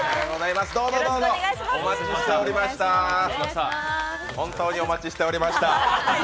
どうぞ、お待ちしておりました。